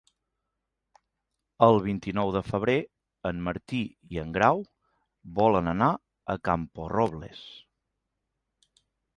El vint-i-nou de febrer en Martí i en Grau volen anar a Camporrobles.